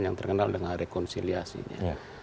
yang terkenal dengan rekonsiliasinya